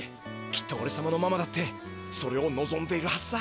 きっとおれさまのママだってそれをのぞんでいるはずだ。